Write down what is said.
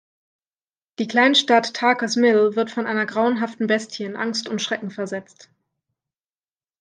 Die Kleinstadt Tarker’s Mills wird von einer grauenhaften Bestie in Angst und Schrecken versetzt.